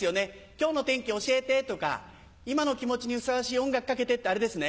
「今日の天気教えて」とか「今の気持ちにふさわしい音楽かけて」ってあれですね。